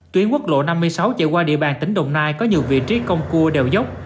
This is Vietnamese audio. tuyến quốc lộ năm mươi sáu chạy qua địa bàn tỉnh đồng nai có nhiều vị trí cong cua đèo dốc